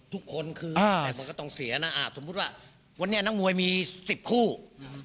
ทุกคนคืออ่าแต่มันก็ต้องเสียนะอ่าสมมุติว่าวันนี้นักมวยมีสิบคู่อืม